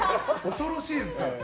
恐ろしいですね。